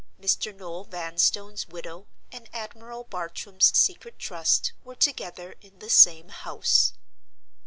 Mr. Noel Vanstone's widow and Admiral Bartram's Secret Trust were together in the same house.